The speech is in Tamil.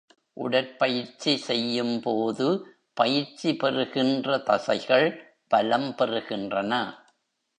உடற்பயிற்சி செய்யும் போது, பயிற்சி பெறுகின்ற தசைகள் பலம் பெறுகின்றன.